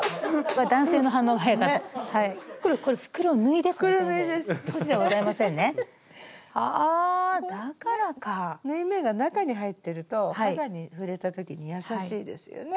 縫い目が中に入ってると肌に触れた時に優しいですよね。